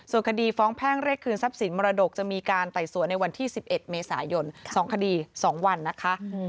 ส่วนคดีฟ้องแพ่งเรียกคืนทรัพย์สินมรดกจะมีการไต่สวนในวันที่๑๑เมษายน๒คดี๒วันนะคะ